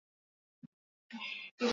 Jamii inapaswa ipate elimu ya viazi lishe